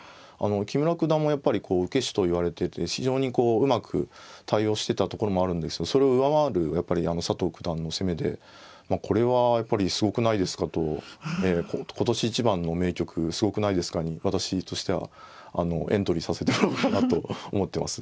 木村九段もやっぱり受け師といわれてて非常にうまく対応してたところもあるんですけどそれを上回るやっぱり佐藤九段の攻めでこれはやっぱり「すごくないですか」と今年一番の名局「すごくないですか」に私としてはエントリーさせてもらおうかなと思ってます。